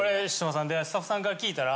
でスタッフさんから聞いたら。